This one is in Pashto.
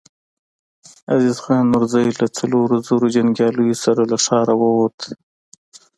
عزيز خان نورزی له څلورو زرو جنګياليو سره له ښاره ووت.